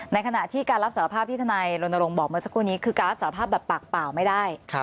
ขณะที่การรับสารภาพที่ทนายรณรงค์บอกเมื่อสักครู่นี้คือการรับสารภาพแบบปากเปล่าไม่ได้